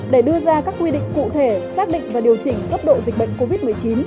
để đưa ra các quy định cụ thể xác định và điều chỉnh cấp độ dịch bệnh covid một mươi chín